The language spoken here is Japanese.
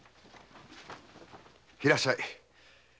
いらっしゃい。